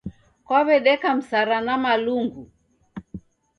Kwaw'edeka msara na Malungu?